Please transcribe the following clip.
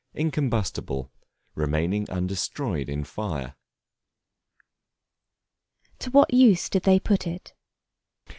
Incombustible, remaining undestroyed in fire. To what use did they put it?